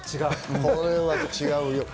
これは違うよ。